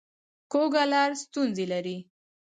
کوږه لار ستونزې لري